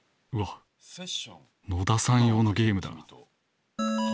うわっ野田さん用のゲームだ。